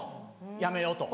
やめようと。